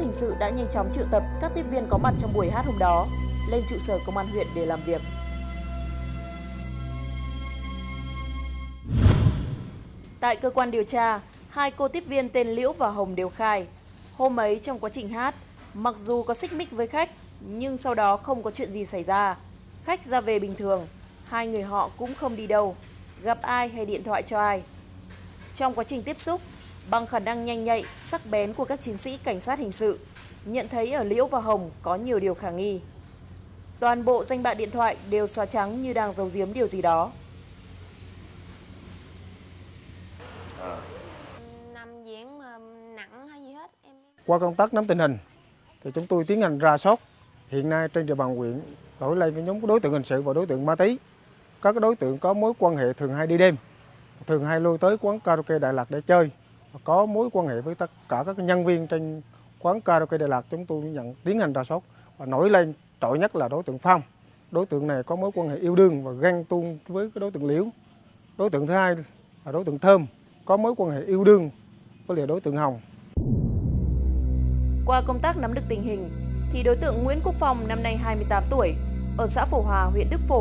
hình sự công an huyện đức phổ chuyển về đội cảnh sát hình sự công an huyện đức phổ chuyển về đội cảnh sát hình sự công an huyện đức phổ chuyển về đội cảnh sát hình sự công an huyện đức phổ chuyển về đội cảnh sát hình sự công an huyện đức phổ chuyển về đội cảnh sát hình sự công an huyện đức phổ chuyển về đội cảnh sát hình sự công an huyện đức phổ chuyển về đội cảnh sát hình sự công an huyện đức phổ chuyển về đội cảnh sát hình sự công an huyện đức